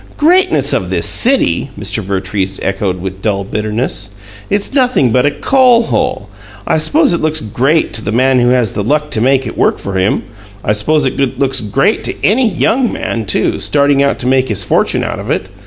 "'Greatness of this city'!" Mr. Vertrees echoed, with dull bitterness. "It's nothing but a coal hole! I suppose it looks 'great' to the man who has the luck to make it work for him. I suppose it looks 'great' to any YOUNG man, too, starting out to make his fortune out of it.